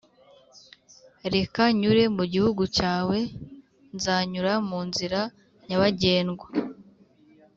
reka nyure mu gihugu cyawe nzanyura mu nzira nyabagendwa